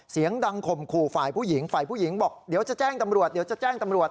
เสียงดังข่มขู่ฝ่ายผู้หญิงฝ่ายผู้หญิงบอกเดี๋ยวจะแจ้งตำรวจ